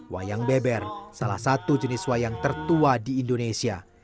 wayang beber salah satu jenis wayang tertua di indonesia